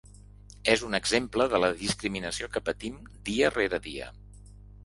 És un exemple de la discriminació que patim dia rere dia.